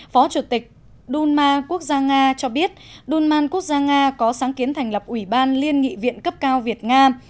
phó chủ tịch đunma quốc gia nga cho biết duman quốc gia nga có sáng kiến thành lập ủy ban liên nghị viện cấp cao việt nga